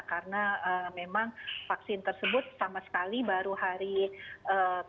karena memang vaksin tersebut sama sekali baru hari kamis kemarin diterima oleh provinsi jawa tengah